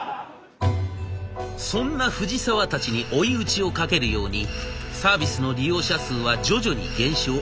そんな藤沢たちに追い打ちをかけるようにサービスの利用者数は徐々に減少。